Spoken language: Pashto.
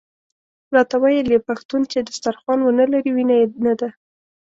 راته ویل یې پښتون چې دسترخوان ونه لري وینه یې نده.